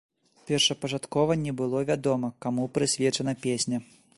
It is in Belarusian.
Першапачаткова не было вядома, каму прысвечана песня.